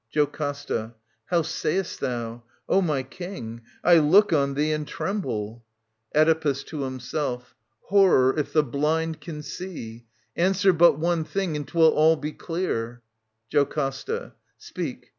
JOCASTA. How sayst thou ? O my King, I look on thcc And tremble. 43 SOPHOCLES TV. 747 760 Oedipus {to himself). Horror, if the blind can see ! Answer but one thing and 'twill all be clear. JOCASTA. Speak.